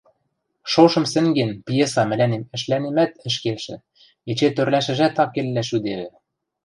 «Шошым сӹнген» пьеса мӹлӓнем ӹшлӓнемӓт ӹш келшӹ, эче тӧрлӓшӹжӓт акеллӓ шӱдевӹ: